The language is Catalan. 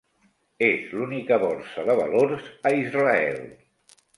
És l'única borsa de valors a Israel.